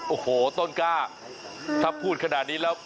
โอ้โหต้นกล้าถ้าพูดขนาดนี้แล้ว